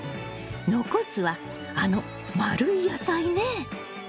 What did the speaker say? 残すはあの丸い野菜ね。